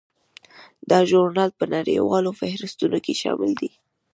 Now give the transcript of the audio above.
دا ژورنال په نړیوالو فهرستونو کې شامل دی.